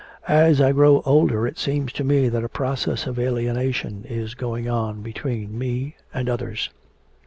As I grow older it seems to me that a process of alienation is going on between me and others.'